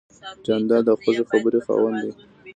جانداد د خوږې خبرې خاوند دی.